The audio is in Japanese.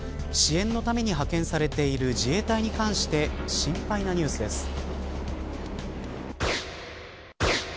支援のために派遣されている自衛隊に関して心配なニュースです。